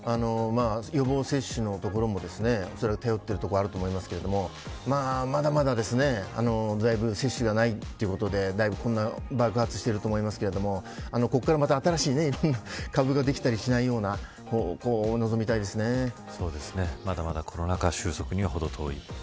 予防接種のところもおそらく、頼っているところもあると思いますがまだまだだいぶ接種がないということで、だいぶ爆発していると思いますがここからまた新しい株ができたりしないようにまだまだコロナ禍収束には程遠い。